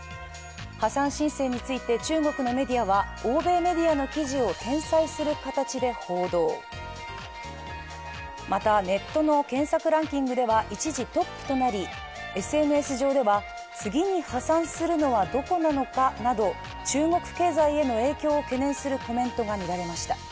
破産申請について中国のメディアは欧米メディアの記事を転載する形で報道またネットの検索ランキングでは一時トップとなり、ＳＮＳ上では次に破産するのはどこなのかなど中国経済への影響を懸念するコメントが見られました。